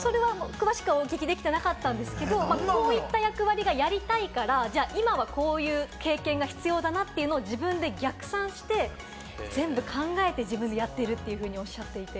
それは詳しくはお聞きできてなかったんですけれども、こういった役割がやりたいから今は、こういう経験が必要だなというのを自分で逆算して自分で考えてやっているとおっしゃっていて。